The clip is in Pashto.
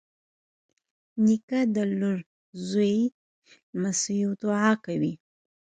نیکه د لور، زوی، لمسيو دعا کوي.